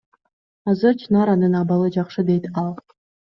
Азыр Чынаранын абалы жакшы, — дейт ал.